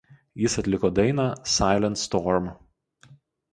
Jis atliko dainą „Silent Storm“.